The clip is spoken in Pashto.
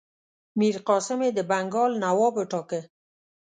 میرقاسم یې د بنګال نواب وټاکه.